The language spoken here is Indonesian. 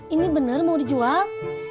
ini bener mau dijual